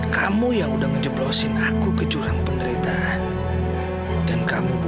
kamu yang udah ngejeblosin aku ke jurang penderita